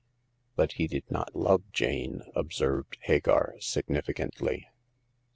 But he did not love Jane," observed Hagar, significantly.